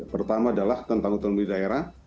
pertama adalah tentang otonomi daerah